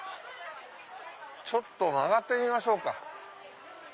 ちょっと曲がってみましょうか。